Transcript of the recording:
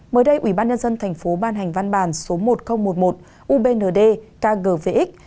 mới đây ủy ban nhân dân thành phố ban hành văn bản số một nghìn một mươi một ubnd kg